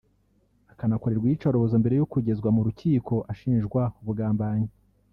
akanakorerwa iyicarubozo mbere yo kugezwa mu rukiko ashinjwa ubugambanyi